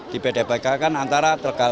di bdpk kan antara tergantung